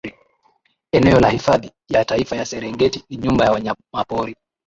eneo la hifadhi ya taifa ya serengeti ni nyumba ya wanyamapori